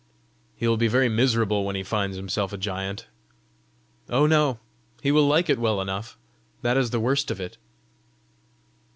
"He will be very miserable when he finds himself a giant!" "Oh, no; he will like it well enough! That is the worst of it."